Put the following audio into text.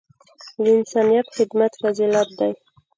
د انسانیت خدمت فضیلت دی.